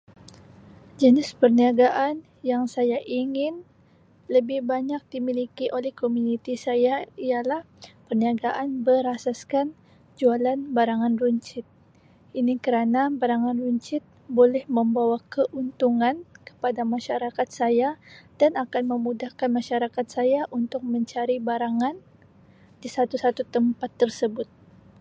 Jenis perniagaan yang saya ingin lebih banyak dimiliki oleh komuniti saya ialah perniagaan berasaskan jualan barangan runcit, ini kerana barangan runcit boleh membawa keuntungan pada masyarakat saya dan akan memudahkan masyarakat saya untuk mencari barangan di satu-satu tempat tersebut.